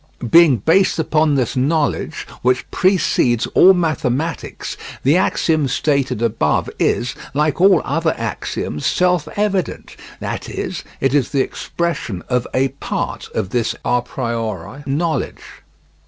Being based upon this knowledge, which precedes all mathematics, the axiom stated above is, like all other axioms, self evident, that is, it is the expression of a part of this a priori knowledge.